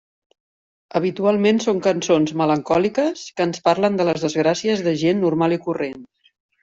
Habitualment són cançons melancòliques que ens parlen de les desgràcies de gent normal i corrent.